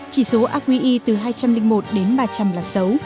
chỉ số aqi từ hai trăm linh một đến ba trăm linh là xấu